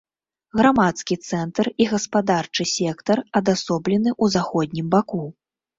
Грамадскі цэнтр і гаспадарчы сектар адасоблены ў заходнім баку.